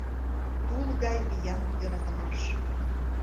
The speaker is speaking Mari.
Тул гай виян — йöратымаш.